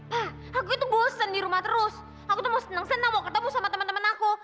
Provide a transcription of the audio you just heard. pak aku itu bosan di rumah terus aku tuh mau senang senang mau ketemu sama temen temen aku